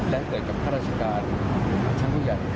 และเกิดกับข้าราชการชั้นผู้ใหญ่